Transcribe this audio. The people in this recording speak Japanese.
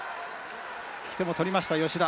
引き手も取りました吉田。